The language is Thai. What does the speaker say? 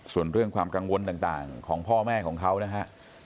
ส่วนเรื่องความกังวลต่างของพ่อแม่ของเขานะฮะ